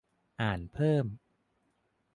อ่านเพิ่ม